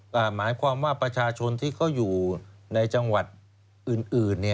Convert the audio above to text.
หมายความว่าประชาชนที่เขาอยู่ในจังหวัดอื่น